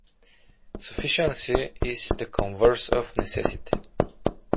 Sufficiency is the converse of necessity.